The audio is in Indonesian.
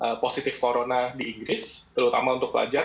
kami membuat sebuah form bernama laporona di inggris terutama untuk pelajar